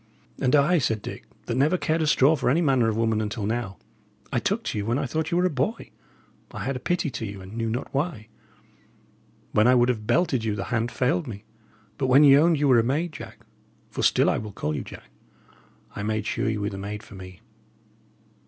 "And I," said Dick, "that never cared a straw for any manner of woman until now, I took to you when I thought ye were a boy. I had a pity to you, and knew not why. When I would have belted you, the hand failed me. But when ye owned ye were a maid, Jack for still I will call you Jack I made sure ye were the maid for me.